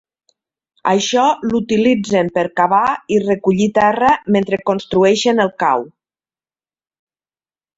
Això l'utilitzen per cavar i recollir terra mentre construeixen el cau.